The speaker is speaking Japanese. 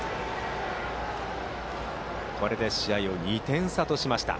これで試合を２点差としました。